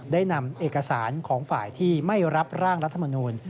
ได้นำเอกสารของฝ่ายที่ไม่รับร่างรัฐมนูล